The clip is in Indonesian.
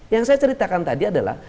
yang saya ceritakan tadi adalah